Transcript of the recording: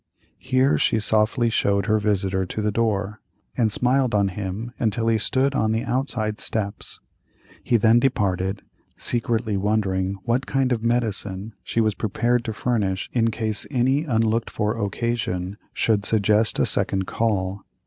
Here she softly showed her visitor to the door, and smiled on him until he stood on the outside steps. He then departed, secretly wondering what kind of "medicine" she was prepared to furnish in case any unlooked for occasion should suggest a second call.